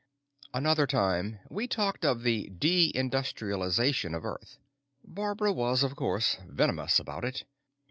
Another time we talked of the de industrialization of Earth. Barbara was, of course, venomous about it.